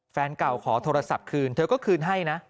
แฟนเก่าขอโทรศัพท์คืนเธอก็คืนให้นะ